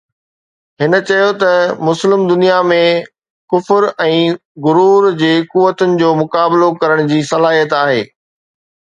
هن چيو ته مسلم دنيا ۾ ڪفر ۽ غرور جي قوتن جو مقابلو ڪرڻ جي صلاحيت آهي